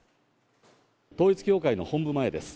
統一教会の本部前です。